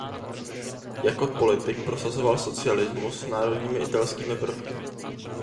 Jako politik prosazoval socialismus s národními italskými prvky.